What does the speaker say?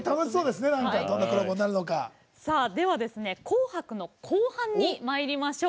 では、「紅白」の後半にまいりましょう。